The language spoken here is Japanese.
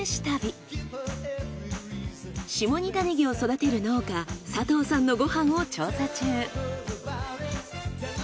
下仁田ねぎを育てる農家佐藤さんのご飯を調査中。